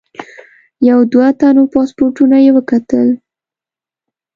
یو دوه تنو پاسپورټونه یې وکتل.